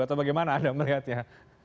atau bagaimana anda melihatnya